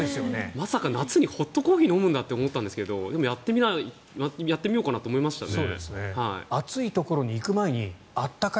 まさか夏にホットコーヒーを飲むんだって思ったんですけどでも、やってみようかなと思いましたね。